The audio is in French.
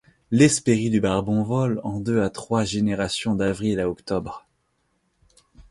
L'Hespérie du barbon vole en deux à trois génération d'avril à octobre.